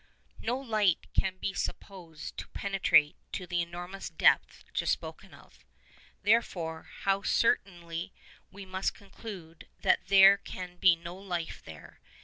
No light can be supposed to penetrate to the enormous depth just spoken of. Therefore, how certainly we might conclude that there can be no life there.